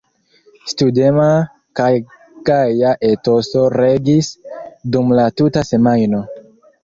Studema kaj gaja etoso regis dum la tuta semajno.